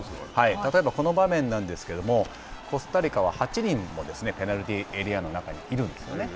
例えばこの場面なんですけれども、コスタリカは８人もペナルティーエリアの中にいるんですよね。